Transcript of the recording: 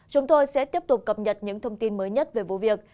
chúng tôi sẽ tiếp tục cập nhật những thông tin mới nhất về vụ việc